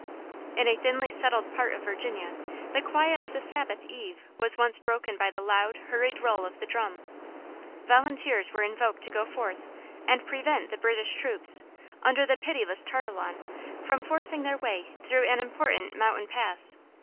"In a thinly settled part of Virginia, the quiet of the Sabbath eve was once broken by the loud, hurried roll of the drum. Volunteers were invoked to go forth and prevent the British troops, under the pitiless Tarleton, from forcing their way through an important mountain pass.